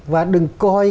và đừng coi